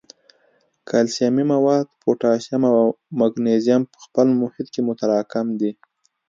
کلسیمي مواد، پوټاشیم او مګنیزیم په خپل محیط کې متراکم کوي.